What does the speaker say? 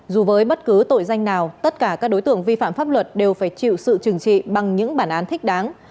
dù với bất cứ tội danh nào tất cả các đối tượng vi phạm pháp luật đều phải chịu sự trừng trị bằng những bản án thích đáng